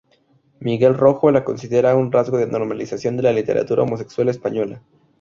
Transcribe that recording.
Miguel Rojo lo considera un rasgo de normalización de la literatura homosexual española.